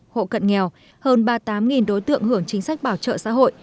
hộ cận nghèo hơn ba mươi tám đối tượng hưởng chính sách bảo trợ xã hội